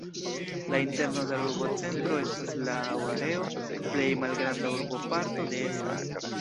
La interno de la urbocentro estas la laŭ areo plej malgranda urboparto de Essen.